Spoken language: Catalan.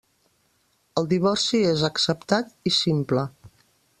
El divorci és acceptat i simple.